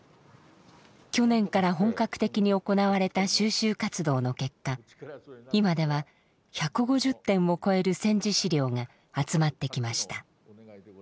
去年から本格的に行われた収集活動の結果今では１５０点を超える戦時資料が集まってきました。